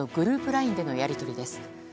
ＬＩＮＥでのやり取りです。